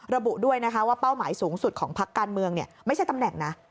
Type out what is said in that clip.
ระบุด้วยนะคะว่าเป้าหมายสูงสุดของพักการเมืองไม่ใช่ตำแหน่งนะ